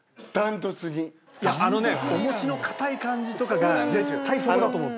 あのねお餅の硬い感じとかが絶対そこだと思った。